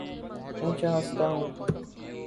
اونچا ہنستا ہوں